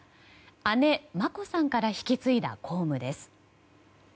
姉・眞子さんから引き継いだ公務です。